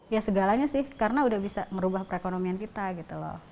ya segalanya sih karena udah bisa merubah perekonomian kita gitu loh